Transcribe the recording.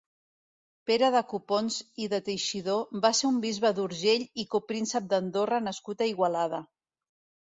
Pere de Copons i de Teixidor va ser un bisbe d'Urgell i copríncep d'Andorra nascut a Igualada.